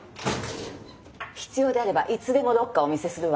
必要であればいつでもロッカーお見せするわ。